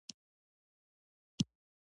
موږ هره ورځ ځواکمن خواړه خورو.